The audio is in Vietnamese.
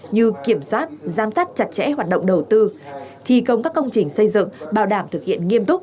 như kiểm soát giám sát chặt chẽ hoạt động đầu tư thi công các công trình xây dựng bảo đảm thực hiện nghiêm túc